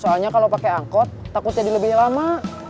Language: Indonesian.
soalnya kalau pakai angkot takut jadi lebih lama